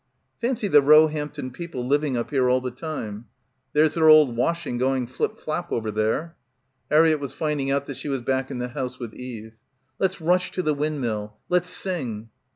"Fancy the Roehampton people living up here all the time." "There's their old washing going flip flap over there." Harriett was finding out that she was back in the house with Eve. "Let's rush to the windmill. Let's sing."